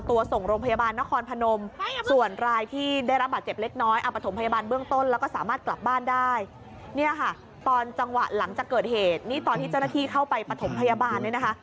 ตอนนี้เจ้าหน้าที่เข้าไปปฐมพยาบาลเนี่ยนะคะ